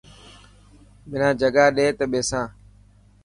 منا جگا ڏي ته ٻيسان.